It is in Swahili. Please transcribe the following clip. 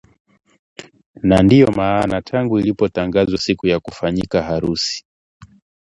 na ndio maana tangu ilipotangazwa siku ya kufanyika harusi